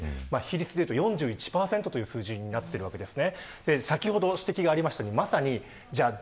比率で言うと４１％という数字になっています。